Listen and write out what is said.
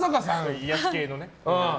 癒やし系のね。